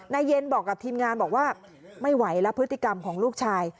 นายเย็นบอกกับทีมงานบอกว่าไม่ไหวแล้วพฤติกรรมของลูกชาย